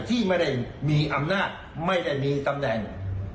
ที่ไม่ได้มีอำนาจไม่ได้มีตำแหน่ง